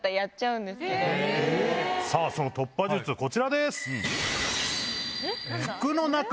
さぁその突破術こちらです！